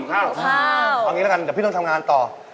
กลับแล้วกันแล้วนี่แหละคุณต้องทำงานต่อ